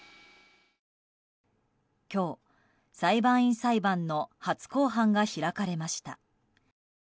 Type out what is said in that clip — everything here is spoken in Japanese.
今日、裁判員裁判の初公判が開かれました。